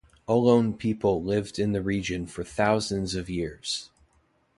Ohlone people lived in the region for thousands of years.